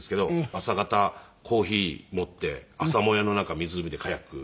朝方コーヒー持って朝もやの中湖でカヤック。